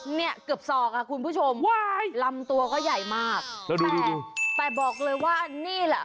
เนี่ยเกือบศอกอ่ะคุณผู้ชมลำตัวก็ใหญ่มากแล้วแต่แต่บอกเลยว่านี่แหละ